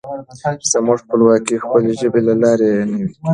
زموږ خپلواکي د خپلې ژبې له لارې نوي کېږي.